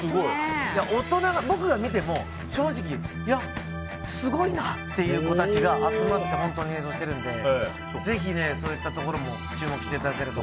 僕が見ても、正直いや、すごいなっていう子たちが集まって本当に演奏してるのでぜひ、そういったところも注目していただけると。